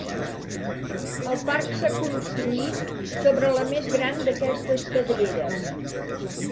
El parc s'ha construït sobre la més gran d'aquestes pedreres.